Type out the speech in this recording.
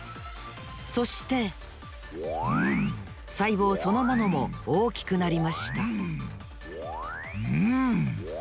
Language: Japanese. そしてさいぼうそのものも大きくなりましたんん！